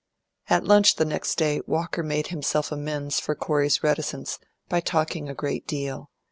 At lunch the next day Walker made himself amends for Corey's reticence by talking a great deal.